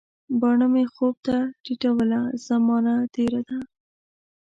باڼه مي خوب ته ټیټوله، زمانه تیره ده